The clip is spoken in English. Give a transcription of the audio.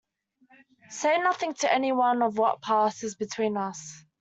Say nothing to any one of what passes between us.